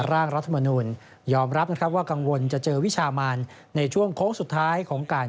ร่างรัฐมนุนยอมรับนะครับว่ากังวลจะเจอวิชามานในช่วงโค้งสุดท้ายของการ